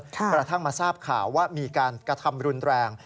กระทั่งมาทราบข่าวว่ามีการกระทำรุนแรง